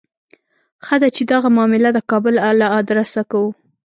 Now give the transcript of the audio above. ښه ده چې دغه معامله د کابل له آدرسه کوو.